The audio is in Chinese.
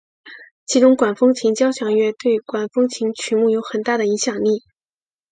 其中管风琴交响乐对管风琴曲目有很大的影响力。